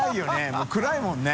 もう暗いもんね。